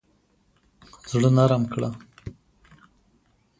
زړه نرم کړه.